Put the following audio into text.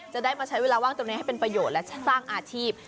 จะได้มาใช้เวลาว่างตรงนี้ให้เป็นประโยชน์และสร้างอาชีพ